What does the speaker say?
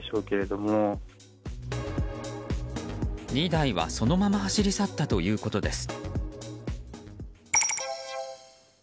２台はそのまま走り去ったということです。